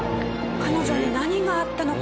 彼女に何があったのか？